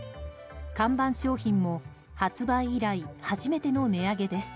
看板商品も発売以来初めての値上げです。